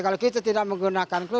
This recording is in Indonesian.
kalau kita tidak menggunakan klu